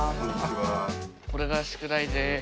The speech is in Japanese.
これが宿題です。